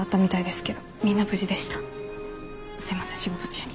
すいません仕事中に。